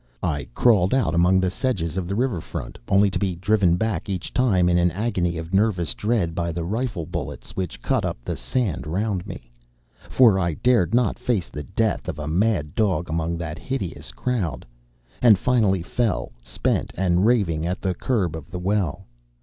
I crawled out among the sedges of the river front, only to be driven back each time in an agony of nervous dread by the rifle bullets which cut up the sand round me for I dared not face the death of a mad dog among that hideous crowd and finally fell, spent and raving, at the curb of the well.